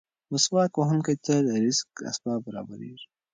مسواک وهونکي ته د رزق اسباب برابرېږي.